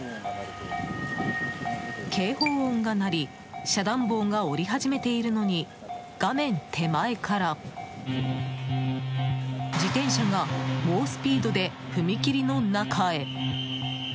警報音が鳴り遮断棒が下り始めているのに画面手前から自転車が猛スピードで踏切の中へ。